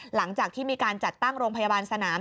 หลังจากที่มีการจัดตั้งโรงพยาบาลสนาม